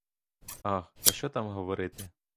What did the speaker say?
Ах, та що там говорити!